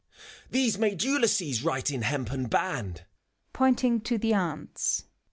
These made Ulysses write in hempen band : {Pointing to the Ants.)